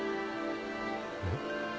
えっ？